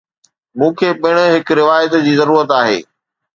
مون کي پڻ هڪ روايت جي ضرورت آهي.